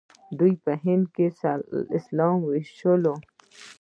دوی په هند کې اسلام وويشلو.